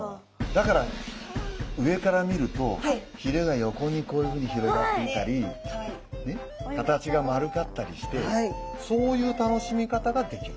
だから上から見るとひれが横にこういうふうに広がっていたり形が丸かったりしてそういう楽しみ方ができる。